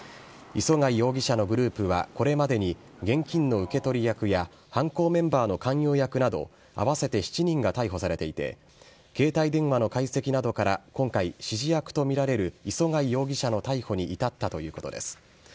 磯貝容疑者のグループは、これまでに現金の受け取り役や犯行メンバーの勧誘役など、合わせて７人が逮捕されていて、携帯電話の解析などから今回、指示役と見られる磯貝容疑者の逮捕に至ったということです。